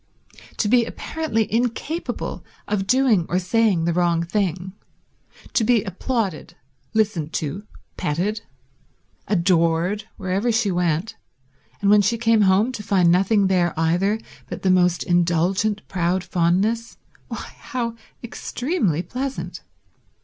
To be apparently incapable of doing or saying the wrong thing, to be applauded, listened to, petted, adored wherever she went, and when she came home to find nothing there either but the most indulgent proud fondness—why, how extremely pleasant.